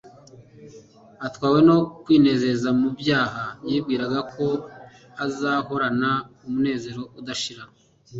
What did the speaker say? Atwawe no kwinezeza mu byaha, yibwiraga ko azahorana umunezero udashira.